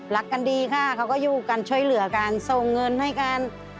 รักกันดีค่ะเขาก็อยู่กันช่วยเหลือกันส่งเงินให้กัน